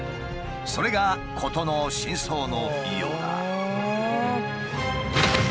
それが事の真相のようだ。